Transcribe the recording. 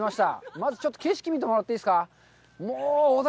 まずちょっと景色見てもらっていいですか？